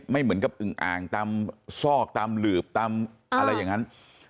เหมือนกับอึงอ่างตามซอกตามหลืบตามอะไรอย่างนั้น